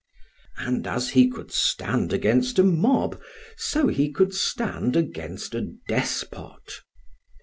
And as he could stand against a mob, so he could stand against a despot.